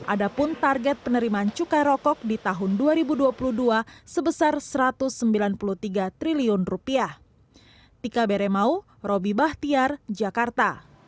ada pun target penerimaan cukai rokok di tahun dua ribu dua puluh dua sebesar rp satu ratus sembilan puluh tiga triliun